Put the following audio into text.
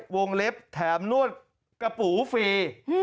วงเล็บแถมนวดกระปูฟรี